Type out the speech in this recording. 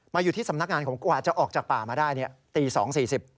มาอยู่ที่สำนักงานของกลมกว่าจะออกจากป่ามาได้เนี่ยตีสองสี่สิบ